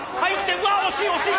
うわ惜しい惜しい！